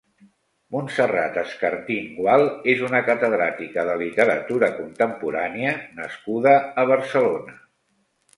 Montserrat Escartín Gual és una catedràtica de literatura contemporània nascuda a Barcelona.